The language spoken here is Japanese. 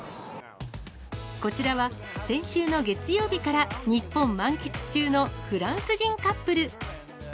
こちらは、先週の月曜日から日本満喫中のフランス人カップル。